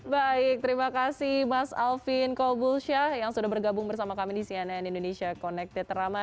baik terima kasih mas alvin kobulsyah yang sudah bergabung bersama kami di cnn indonesia connected rama